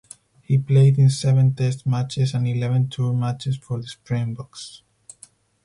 He played in seven test matches and eleven tour matches for the Springboks.